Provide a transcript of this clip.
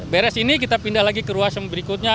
beres ini kita pindah lagi ke ruas yang berikutnya